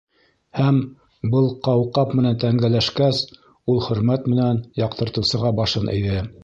Һәм, был ҡауҡаб менән тәңгәлләшкәс, ул хөрмәт менән яҡтыртыусыға башын эйҙе.